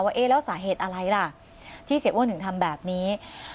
เอ๊ะแล้วสาเหตุอะไรล่ะที่เสียอ้วนถึงทำแบบนี้